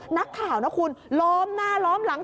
นักข่าวนะคุณล้อมหน้าล้อมหลัง